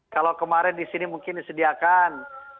kalau kemarin di sini mungkin disediakan